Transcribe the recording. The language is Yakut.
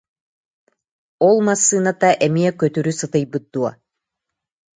Ол массыыната эмиэ көтүрү сытыйбыт дуо